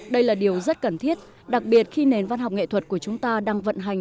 đây là điều rất cần thiết đặc biệt khi nền văn học nghệ thuật của chúng ta đang vận hành